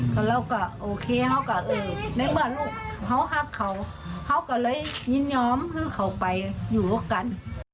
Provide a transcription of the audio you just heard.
แล้วก็โอเคเค้าก็เออในเมื่อลูกเค้าหักเค้าเค้าก็เลยยินยอมให้เค้าไปอยู่กัน